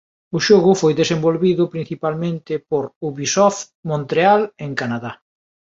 O xogo foi desenvolvido principalmente por Ubisoft Montreal en Canadá.